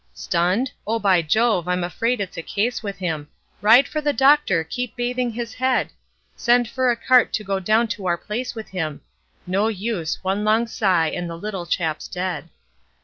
'Stunned? Oh, by Jove, I'm afraid it's a case with him; Ride for the doctor! keep bathing his head! Send for a cart to go down to our place with him' No use! One long sigh and the little chap's dead.